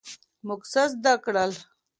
موږ څه زده کړل؟